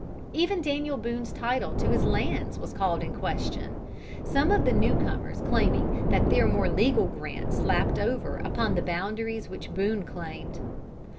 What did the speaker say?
Even Daniel Boone's title to his lands was called in question; some of the new comers claiming that their more legal grants lapped over upon the boundaries which Boone claimed.